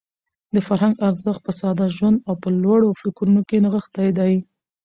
د فرهنګ ارزښت په ساده ژوند او په لوړو فکرونو کې نغښتی دی.